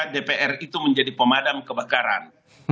dpr itu menjadi pemadam kebakaran